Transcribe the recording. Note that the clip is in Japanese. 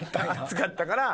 暑かったから。